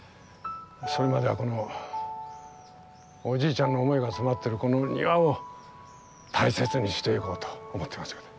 それまではこのおじいちゃんの思いが詰まってるこの庭を大切にしていこうと思ってます。